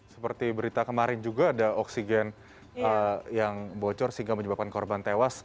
seperti berita kemarin juga ada oksigen yang bocor sehingga menyebabkan korban tewas